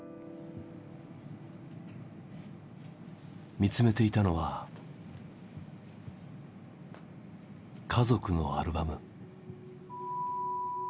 見つめていたのは家族のアルバム。